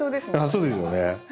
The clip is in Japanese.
そうですよね。